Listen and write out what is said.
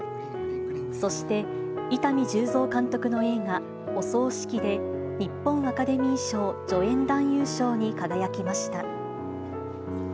そして、伊丹十三監督の映画、お葬式で、日本アカデミー賞助演男優賞に輝きました。